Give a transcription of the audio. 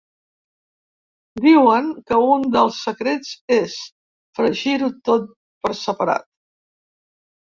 Diuen que un dels secrets és fregir-ho tot per separat.